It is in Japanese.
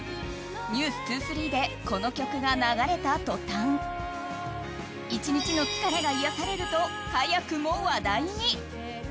「ｎｅｗｓ２３」でこの曲が流れた途端１日の疲れが癒されると早くも話題に。